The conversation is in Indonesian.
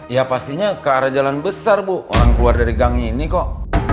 ya pastinya ke arah jalan besar bu orang keluar dari gang ini kok